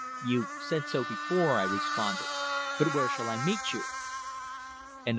"You've said so before," I responded. "But where shall I meet you?" CHAPTER THREE.